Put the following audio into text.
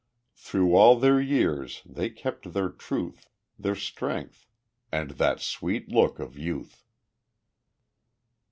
Through all their years they kept their truth, Their strength, and that sweet look of youth.